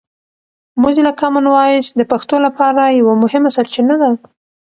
موزیلا کامن وایس د پښتو لپاره یوه مهمه سرچینه ده.